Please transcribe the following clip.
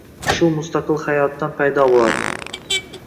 shu “mustaqil hayot” dan paydo bo‘ladi.